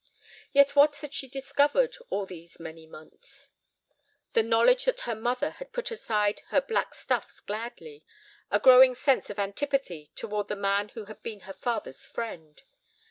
Yet what had she discovered all these many months? The knowledge that her mother had put aside her black stuffs gladly, a growing sense of antipathy toward the man who had been her father's friend.